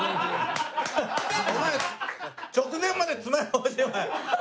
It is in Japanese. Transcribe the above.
お前直前までつまようじお前。